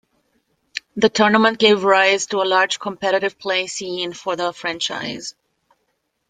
The tournament gave rise to a large competitive play scene for the franchise.